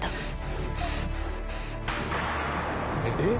「えっ？」